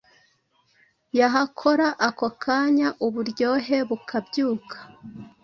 yahakora ako kanya uburyohe bukabyuka